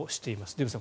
デーブさん